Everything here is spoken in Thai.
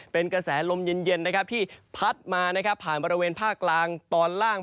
เป็นกระแสลมเย็นที่พัดมาผ่านบริเวณภาคกลางตอนล่าง